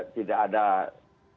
tidak ada resiko